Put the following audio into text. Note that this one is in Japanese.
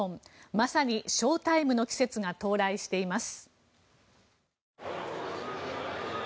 まさにショータイムの季節が到来しています。